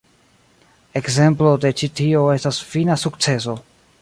Ekzemplo de ĉi tio estas "Fina Sukceso".